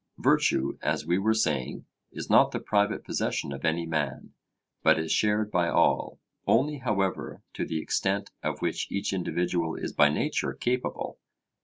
Virtue, as we were saying, is not the private possession of any man, but is shared by all, only however to the extent of which each individual is by nature capable.